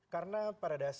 karena pada saat ini